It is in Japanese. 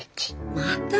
また？